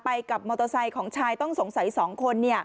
กับมอเตอร์ไซค์ของชายต้องสงสัย๒คน